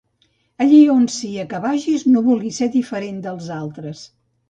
Allí on sia que vagis, no vulguis ser diferent dels altres.